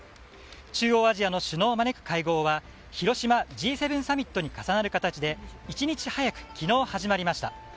中央アジアの首脳を招く会合は広島Ｇ７サミットに重なる形で１日早く昨日始まりました。